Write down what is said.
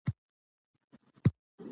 مطالعه د انسان پوهه او تجربه زیاتوي